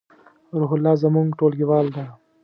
روح الله زمونږ ټولګیوال ده